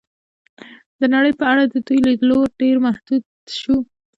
د نړۍ په اړه د دوی لید لوری ډېر محدود شو.